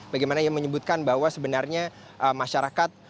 bagaimana ia menyebutkan bahwa sebenarnya masyarakat